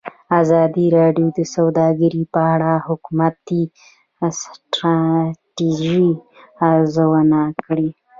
ازادي راډیو د سوداګري په اړه د حکومتي ستراتیژۍ ارزونه کړې.